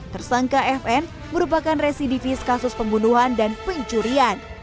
tersangka fn merupakan residivis kasus pembunuhan dan pencurian